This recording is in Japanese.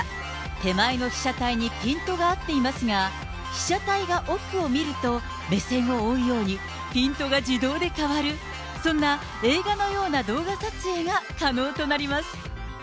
手前の被写体にピントが合っていますが、被写体が奥を見ると、目線を追うように、ピントが自動で変わる、そんな映画のような動画撮影が可能となります。